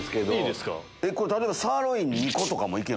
例えば。